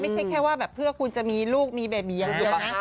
ไม่ใช่แค่ว่าแบบเพื่อคุณจะมีลูกมีเบบีอย่างเดียวนะ